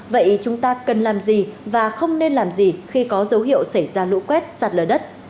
vậy chúng ta cần làm gì và không nên làm gì khi có dấu hiệu xảy ra lũ quét sạt lở đất